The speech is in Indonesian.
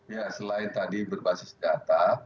ya selain tadi berbasis data